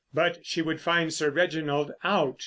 But she would find Sir Reginald out.